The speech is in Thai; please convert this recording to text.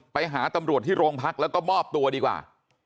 ไปหาตำรวจที่โรงพักแล้วก็มอบตัวดีกว่า